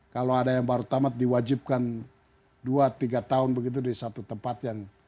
kalau ada yang baru tamat diwajibkan dua tiga tahun begitu di satu tempat yang